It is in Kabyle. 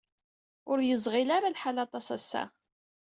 Ur yeẓɣil ara lḥal aṭas ass-a.